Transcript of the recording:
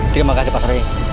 terima kasih pak rt